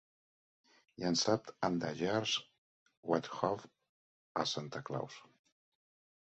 Llançat amb "The year without a Santa Claus"